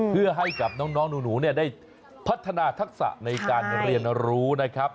เพื่อให้กับน้องหนูได้พัฒนาทักษะในการเรียนรู้นะครับ